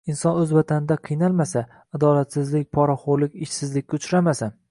Inson o‘z vatanida qiynalmasa, adolatsizlik, poraxo‘rlik, ishsizlikka uchramasa